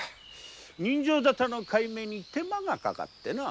刃傷ざたの解明に手間がかかってな。